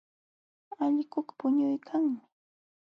Allquqa puñuykanmi.